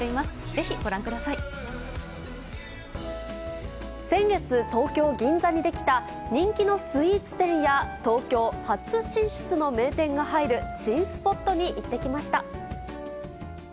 ぜひご覧くださ先月、東京・銀座に出来た人気のスイーツ店や、東京初進出の名店が入る新スポットに行ってきました。